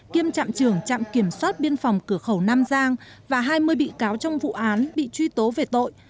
kiêm trạm trưởng trạm kiểm soát biên phòng cửa khẩu nam giang và hai mươi bị cáo trong vụ án bị truy tố về tội